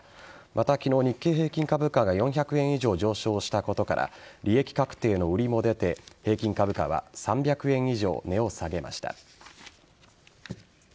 また、昨日日経平均株価が４００円以上上昇したことから利益確定の売りも出て平均株価は３００円以上値を下げました。